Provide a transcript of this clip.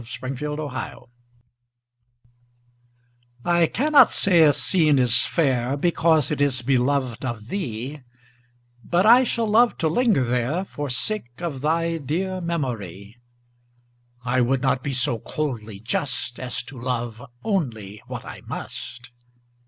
IMPARTIALITY I cannot say a scene is fair Because it is beloved of thee But I shall love to linger there, For sake of thy dear memory; I would not be so coldly just As to love only what I must.